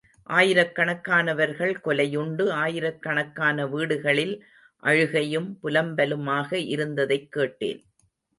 ஆயிரக்கணக்கானவர்கள் கொலையுண்டு, ஆயிரக் கணக்கான வீடுகளில் அழுகையும் புலம்பலுமாக இருந்ததைக் கேட்டேன்.